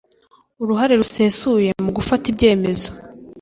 uruhare rusesuye mu gufata ibyemezo